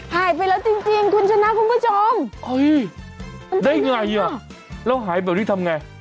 หายไปแล้วจริงคุณชนะคุณผู้ชมได้ไงอ่ะแล้วหายแบบนี้ทำไง